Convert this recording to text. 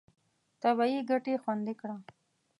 طبیعي ګټې خوندي کړه.